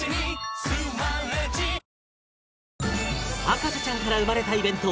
『博士ちゃん』から生まれたイベント